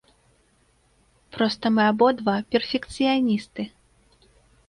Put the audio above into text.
Проста мы абодва перфекцыяністы.